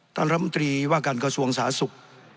ท่านรัฐมนตรีว่าการกระทรวงสาสุก